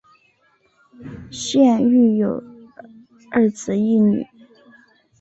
现育有二子一女。